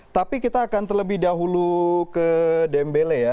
tapi kita akan terlebih dahulu ke dembele ya